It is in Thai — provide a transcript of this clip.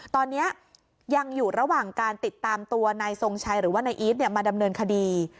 ตอนนี้ยังอยู่ระหว่างการติดตามตัวนายทรงชัยหรือว่านายอีทมาดำเนินคดี